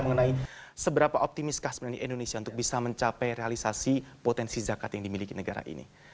mengenai seberapa optimiskah sebenarnya indonesia untuk bisa mencapai realisasi potensi zakat yang dimiliki negara ini